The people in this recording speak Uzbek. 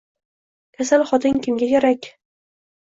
Kasal xotin kimga kerak